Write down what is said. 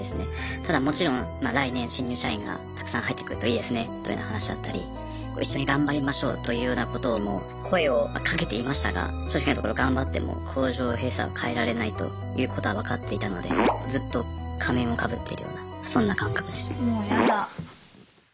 ただもちろん「来年新入社員がたくさん入ってくるといいですね」というような話だったり「一緒に頑張りましょう」というようなことを声をかけていましたが正直なところ頑張っても工場閉鎖は変えられないということは分かっていたのでずっと仮面をかぶってるようなそんな感覚でした。